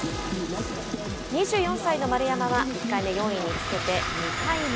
２４歳の丸山は１回目４位につけて２回目。